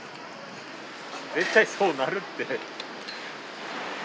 絶対そうなるって。